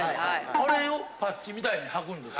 あれをパッチみたいにはくんです。